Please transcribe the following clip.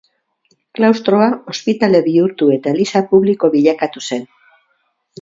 Klaustroa ospitale bihurtu eta eliza publiko bilakatu zen.